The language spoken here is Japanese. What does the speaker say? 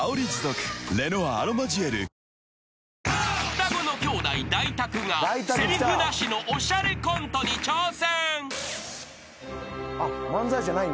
［双子の兄弟ダイタクがせりふなしのおしゃれコントに挑戦］